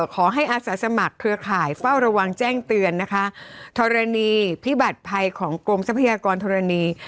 ขอให้อาสาสมัครเครือข่ายเฝ้าระวังแจ้งเตือนนะคะธรณีพิบัติภัยของกรมทรัพยากรธรณี